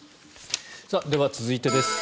では、続いてです。